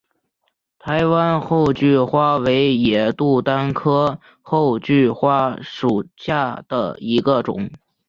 台湾厚距花为野牡丹科厚距花属下的一个种。